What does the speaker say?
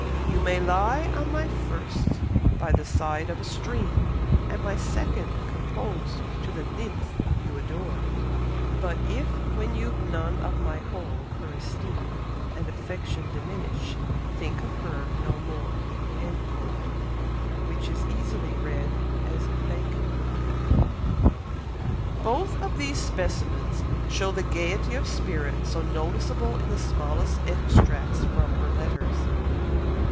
"You may lie on my first by the side of a stream, And my second compose to the nymph you adore; But if, when you've none of my whole, her esteem And affection diminish—think of her no more." Which is easily read as Bank note. Both of these specimens show the gaiety of spirit so noticeable in the smallest extracts from her letters.